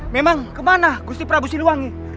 memang kemana gusti prabu siliwangi